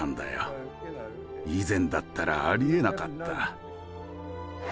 以前だったらありえなかった。